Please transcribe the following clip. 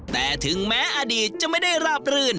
แต่ถึงแม้อดีตจะไม่ได้ราบรื่น